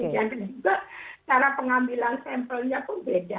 dan juga cara pengambilan sampelnya pun beda